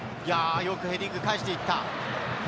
よくヘディング返していった。